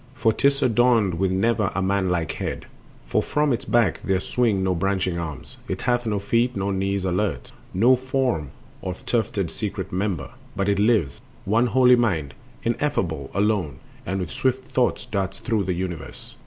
For 'tis adorned with never a manlike head, For from Its back there swing no branching arms, It hath no feet nor knees alert, nor form Of tufted secret member; but It lives, One holy mind, ineffable, alone, And with swift thoughts darts through the universe.